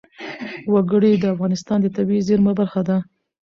وګړي د افغانستان د طبیعي زیرمو برخه ده.